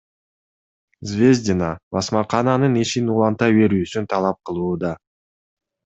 Звездина басмакананын ишин уланта берүүсүн талап кылууда.